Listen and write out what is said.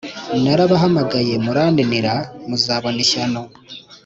Narabahamagaye muraninira muzabona ishyano